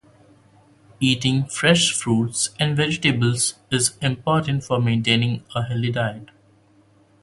Eating fresh fruits and vegetables is important for maintaining a healthy diet.